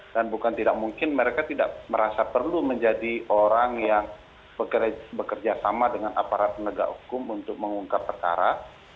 dan bukan tidak mungkin mereka tidak merasa perlu menjadi orang yang bekerja sama dengan aparat negara hukum untuk mengungkap perkara